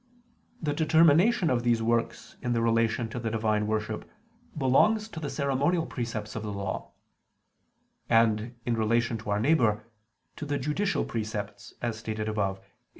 The determination of these works in their relation to the divine worship, belongs to the ceremonial precepts of the Law; and, in relation to our neighbor, to the judicial precepts, as stated above (Q.